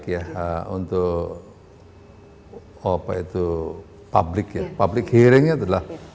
waktu yang baik ya untuk public hearing nya itulah